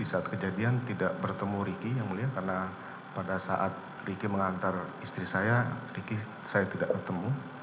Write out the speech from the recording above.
di saat kejadian tidak bertemu ricky yang mulia karena pada saat ricky mengantar istri saya ricky saya tidak ketemu